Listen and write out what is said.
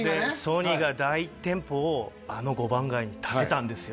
ＳＯＮＹが大店舗をあの５番街に建てたんですよ